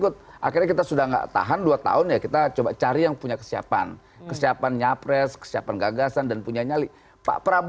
memang kita maafkan saja